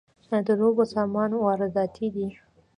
د لوبو سامان وارداتی دی؟